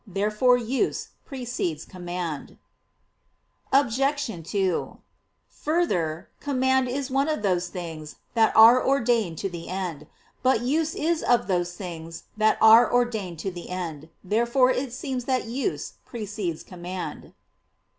Therefore use precedes command. Obj. 2: Further, command is one of those things that are ordained to the end. But use is of those things that are ordained to the end. Therefore it seems that use precedes command.